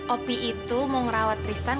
opi itu mau ngerawat kristen